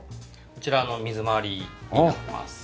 こちら水回りになってます。